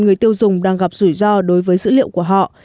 người tiêu dùng đang gặp rủi ro đối với dữ liệu của họ